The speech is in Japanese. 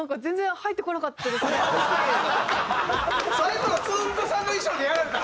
最後のつんく♂さんの衣装にやられた？